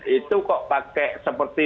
itu kok pakai seperti